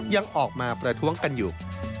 ยังออกมาประท้วงกันอยู่